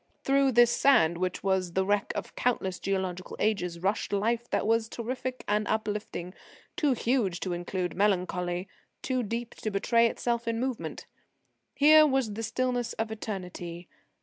Through this sand which was the wreck of countless geological ages, rushed life that was terrific and uplifting, too huge to include melancholy, too deep to betray itself in movement. Here was the stillness of eternity.